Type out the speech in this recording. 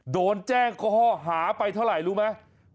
โดนแจ้งข้อหาไปเท่าไหร่รู้ไหม